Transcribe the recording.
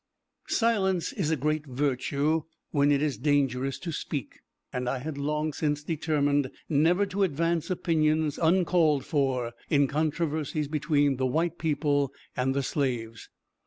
Silence is a great virtue when it is dangerous to speak; and I had long since determined never to advance opinions, uncalled for, in controversies between the white people and the slaves.